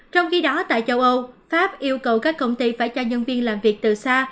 trong khi đó tại châu âu pháp yêu cầu các công ty phải cho nhân viên làm việc từ xa